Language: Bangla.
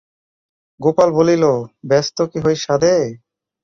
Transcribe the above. গোপাল বলিল, ব্যস্ত কি হই সাধে?